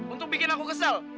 untuk bikin aku kesel